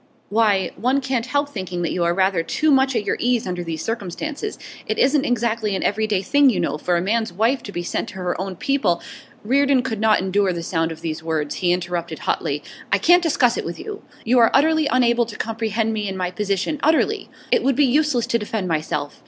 'Why, one can't help thinking that you are rather too much at your ease under the circumstances. It isn't exactly an everyday thing, you know, for a man's wife to be sent back to her own people ' Reardon could not endure the sound of these words. He interrupted hotly. 'I can't discuss it with you. You are utterly unable to comprehend me and my position, utterly! It would be useless to defend myself.